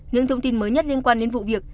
những thông tin mới nhất liên quan đến vụ việc